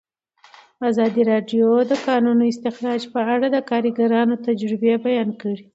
ازادي راډیو د د کانونو استخراج په اړه د کارګرانو تجربې بیان کړي.